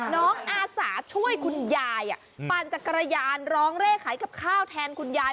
อาสาช่วยคุณยายปั่นจักรยานร้องเร่ขายกับข้าวแทนคุณยาย